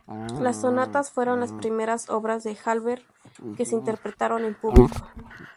Las sonatas fueron las primeras obras de Halffter que se interpretaron en público.